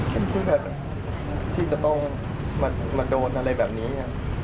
เป็นเพื่อนที่จะต้องมาโดนอะไรแบบนี้